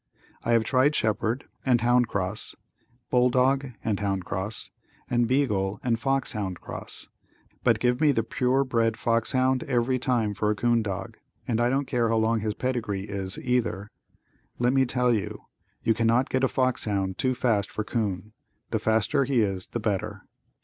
I have tried shepherd and hound cross, bull dog and hound cross, and beagle and fox hound cross, but give me the pure bred fox hound every time for a 'coon dog, and I don't care how long his pedigree is either. Let me tell you, you cannot get a fox hound too fast for 'coon, the faster he is the better.